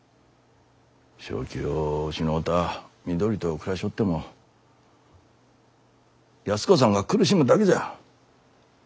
正気を失うた美都里と暮らしょおっても安子さんが苦しむだけじゃ。